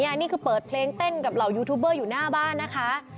นี่คือเปิดเพลงเต้นกับเหล่ายูทูบเบอร์อยู่หน้าบ้านนะคะ